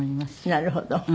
なるほど。